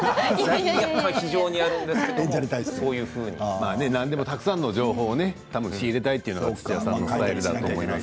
非常にあるんですけど何でもたくさんの情報を仕入れたいような土屋さんのスタイルだと思います。